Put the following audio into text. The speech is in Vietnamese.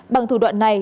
bằng thủ đoạn này